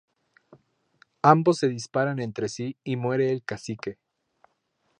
Ambos se disparan entre sí y muere el cacique.